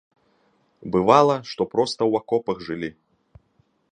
Бывала, што проста ў акопах жылі.